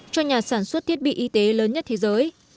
cho nhà sản xuất thiết bị y tế lớn nhất thế giới